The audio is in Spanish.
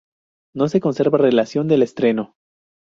No se conserva relación del estreno.